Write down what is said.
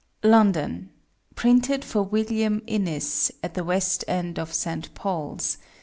LONDON: Printed for WILLIAM INNYS at the West End of St. Paul's.